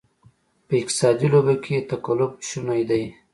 په اقتصادي لوبه کې تقلب شونې دی.